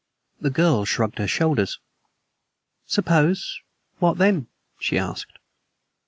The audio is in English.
The girl shrugged her shoulders. "Suppose What then?" she asked.